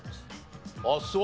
あっそう。